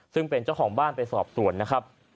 ซึ่งเป็นเจ้าของบ้านไปสอบส่วนนะครับ